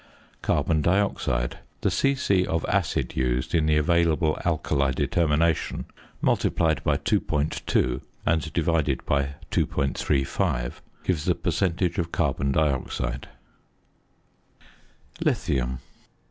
~Carbon Dioxide.~ The c.c. of acid used in the available alkali determination, multiplied by 2.2 and divided by 2.35, gives the percentage of carbon dioxide. LITHIUM.